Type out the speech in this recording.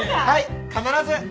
はい必ず！